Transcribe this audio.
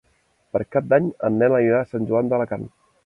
Per Cap d'Any en Nel anirà a Sant Joan d'Alacant.